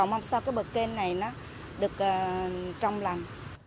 nó được trông lằn